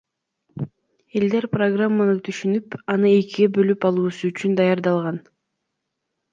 Элдер программаны түшүнүп, аны экиге бөлүп алуусу үчүн даярдалган.